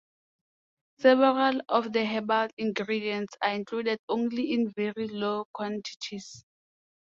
Several of the herbal ingredients are included only in very low quantities.